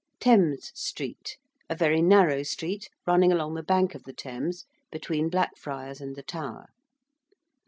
~Thames Street~: a very narrow street running along the bank of the Thames between Blackfriars and the Tower.